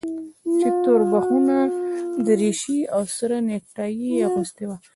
چې توربخونه دريشي او سره نيكټايي يې اغوستې وه.